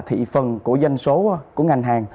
thị phần của danh số của ngành hàng